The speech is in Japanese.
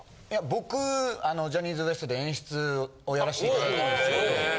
僕ジャニーズＷＥＳＴで演出をやらせていただいてるんですけど。